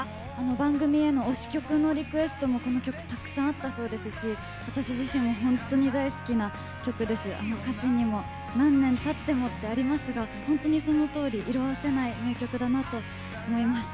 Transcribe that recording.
番組への推し曲のリクエストもこの曲たくさんあったそうですし私自身も本当に大好きな曲で歌詞にも「何年たっても」ってありますが本当に、そのとおり色あせない名曲だなと思います。